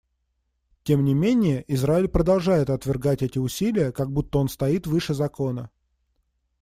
Тем не менее Израиль продолжает отвергать эти усилия, как будто он стоит выше закона.